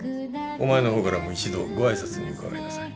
お前の方からも一度ご挨拶に伺いなさい。